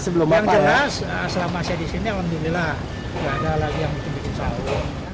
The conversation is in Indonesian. yang jelas selama saya di sini alhamdulillah nggak ada lagi yang bikin saung